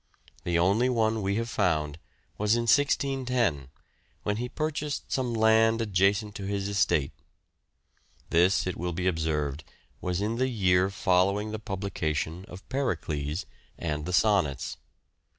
The only one we have found was in 1610, when he purchased some land adjacent to his estate. This, it will be observed, was in the year following the publication of " Pericles " and the Sonnets.